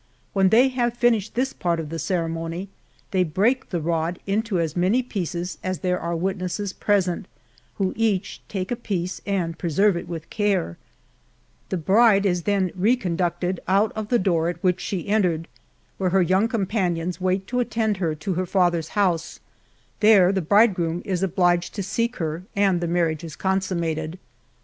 When they have finished this part of the ceremony, they break the rod into as many pieces as there are witnesses present, who each take a piece and presci vj i : with care. The . >nducted out of the door at which she js wait to attend he* to 94 JOURNAL OF her father's house; there the bridegroom is obliged to seek her, and the marriage is consummated.